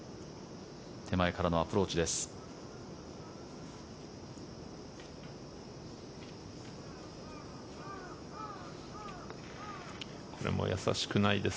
手前からのアプローチです。